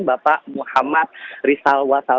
bapak muhammad rizal wasal